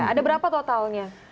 ada berapa totalnya